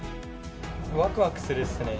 わくわくするっすね。